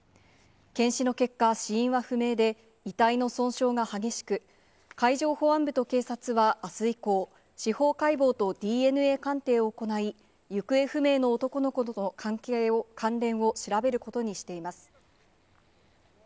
検視の結果、死因は不明で、遺体の損傷が激しく、海上保安部と警察はあす以降、司法解剖とＤＮＡ鑑定を行い、行方不明の男の子との関連を調べることにしています。